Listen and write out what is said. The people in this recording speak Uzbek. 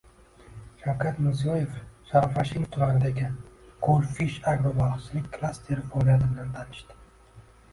Shavkat Mirziyoyev Sharof Rashidov tumanidagi Gold Fish Agro baliqchilik klasteri faoliyati bilan tanishdi